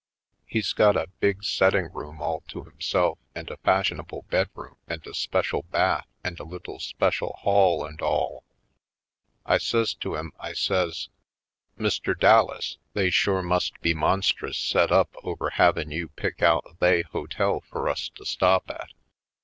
He's got a big setting room all to himself and a fash ionable bedroom and a special bath and a little special hall and all. I says to him, I says: *'Mr. Dallas, they shore must be mon strous set up over havin' you pick out they hotel fur us to stop at.